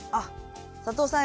佐藤さん